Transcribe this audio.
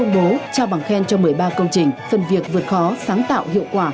bố trao bằng khen cho một mươi ba công trình phần việc vượt khó sáng tạo hiệu quả